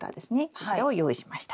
こちらを用意しました。